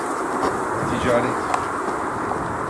Ticaret.